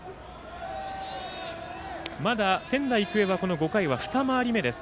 まだ仙台育英はこの５回は二回り目です。